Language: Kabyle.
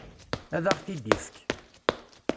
Ad aɣ-t-id-ifek.